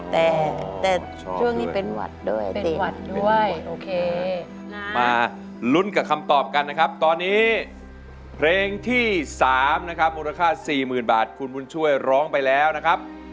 แต่ช่วงนี้เป็นหวัดด้วยเป็นหวัดด้วยโอเคมาลุ้นกับคำตอบกันนะครับตอนนี้เพลงที่๓นะครับมูลค่า๔๐๐๐บาทคุณบุญช่วยร้องไปแล้วนะครับ